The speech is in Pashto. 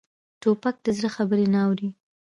توپک د زړه خبرې نه اوري.